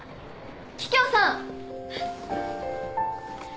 桔梗さん！